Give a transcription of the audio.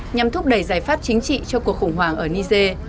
nhằm thúc đẩy giải pháp chính trị cho cuộc khủng hoảng ở niger